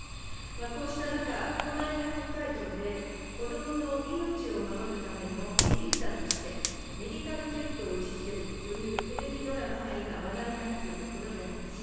こうした中、広大な北海道で、子どもの命を守るための切り札として、メディカルジェットを位置づけるというテレビドラマが今、話題になっているところでございます。